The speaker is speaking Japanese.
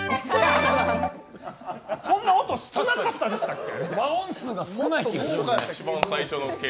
こんな音、少なかったでしたっけ